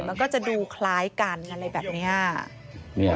มันก็จะดูคล้ายกันอะไรแบบนี้